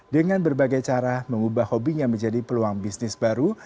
dengan berbagai cara mengubah hobinya menjadi peluang bisnis baru